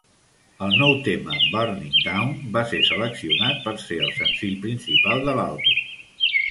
El nou tema "Burning Down" va ser seleccionat per ser el senzill principal de l'àlbum.